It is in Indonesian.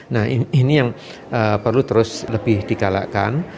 nah ini yang perlu terus lebih digalakkan